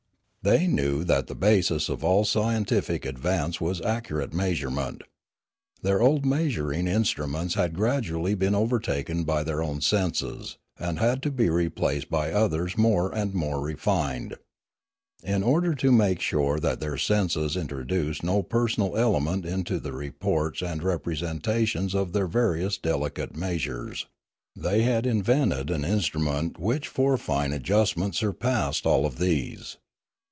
They knew that the basis of all scientific advance was accurate measurement. Their old measuring in struments had gradually l>een overtaken by their own senses, and had to be replaced by others more and more refined. In order to make sure that their senses in troduced no personal element into the reports and re presentations of their various delicate measurers, they had invented an instrument which for fine adjustment surpassed all of these.